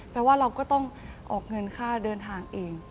แปลว่าเราก็ต้องออกเงินค่าเดินทางเอง